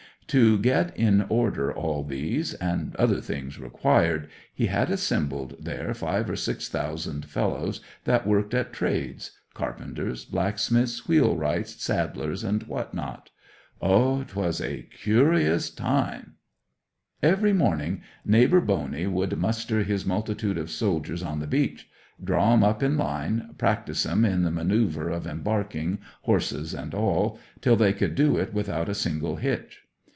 To get in order all these, and other things required, he had assembled there five or six thousand fellows that worked at trades—carpenters, blacksmiths, wheelwrights, saddlers, and what not. O 'twas a curious time! 'Every morning Neighbour Boney would muster his multitude of soldiers on the beach, draw 'em up in line, practise 'em in the manoeuvre of embarking, horses and all, till they could do it without a single hitch.